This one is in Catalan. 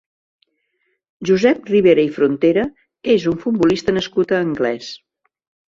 Josep Ribera i Frontera és un futbolista nascut a Anglès.